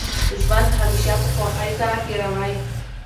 ژوند همېشه په خوښۍ سره تېروئ!